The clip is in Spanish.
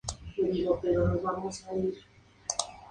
Sólo uno fue construido.